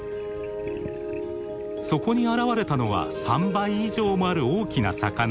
そこに現れたのは３倍以上もある大きな魚。